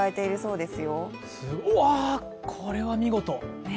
うわ、これは見事。